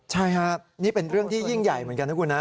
ใช่ค่ะเป็นเรื่องที่ยิ่งใหญ่เหมือนกันครับคุณนะ